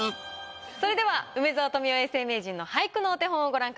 それでは梅沢富美男永世名人の俳句のお手本をご覧ください。